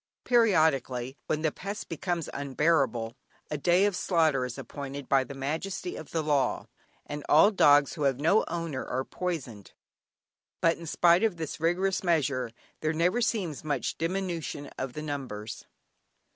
Periodically, when the pest becomes unbearable, a day of slaughter is appointed by the Majesty of the Law, and all dogs who have no owner are poisoned. But in spite of this rigorous measure, there never seems much diminution in the numbers.